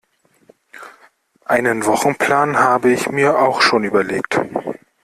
Einen Wochenplan habe ich mir auch schon überlegt